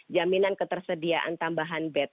jaminan ketersediaan tambahan bed